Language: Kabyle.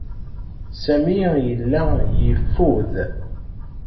Sami yella yeffud.